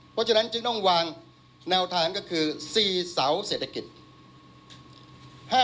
เพราะฉะนั้นจึงต้องวางแนวทางก็คือ๔เสาเศรษฐกิจ